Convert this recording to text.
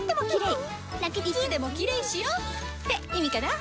いつでもキレイしよ！って意味かな！